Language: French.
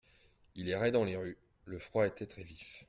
Il errait dans les rues, le froid était très-vif.